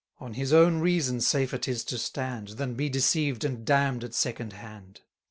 On his own reason safer 'tis to stand, Than be deceived and damn'd at second hand.